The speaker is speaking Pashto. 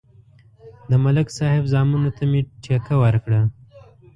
د ملک صاحب زامنو ته مې ټېکه ورکړه